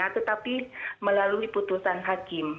tetapi melalui putusan hakim